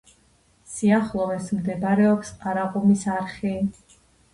სიახლოვეს მდებარეობს ყარაყუმის არხი.